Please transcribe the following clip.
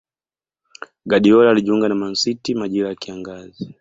Guardiola alijiunga na Man City majira ya kiangazi